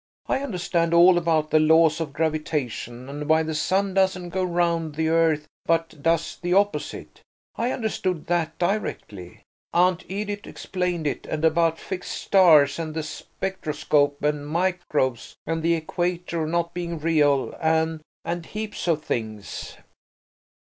I understand all about the laws of gravitation, and why the sun doesn't go round the earth but does the opposite; I understood that directly Aunt Edith explained it, and about fixed stars, and the spectroscope, and microbes, and the Equator not being real, and–and heaps of things."